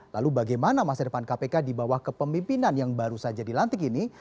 lalu bagaimana masa depan kpk di bawah kepemimpinan yang baru saja dilantik ini